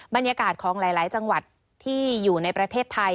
บรรยากาศของหลายจังหวัดที่อยู่ในประเทศไทย